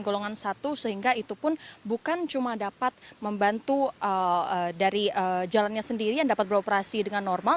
golongan satu sehingga itu pun bukan cuma dapat membantu dari jalannya sendiri yang dapat beroperasi dengan normal